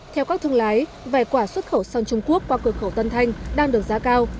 theo các thương lái vẻ quả xuất khẩu sang trung quốc qua cửa khẩu tân thanh đang được giá cao